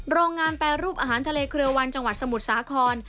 โรงงานแปรรูปอาหารทะเลเครือวันจังหวัดสมุทรสาคร